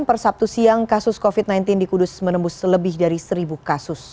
per sabtu siang kasus covid sembilan belas di kudus menembus lebih dari seribu kasus